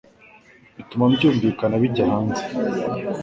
bituma byumvikana bijya hanze